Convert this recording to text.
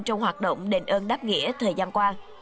trong hoạt động đền ơn đáp nghĩa thời gian qua